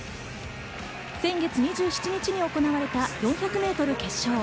先月２７日に行われた４００ｍ決勝。